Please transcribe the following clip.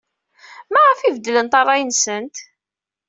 Maɣef ay beddlent ṛṛay-nsent?